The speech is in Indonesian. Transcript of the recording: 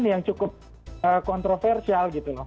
yang cukup kontroversial gitu loh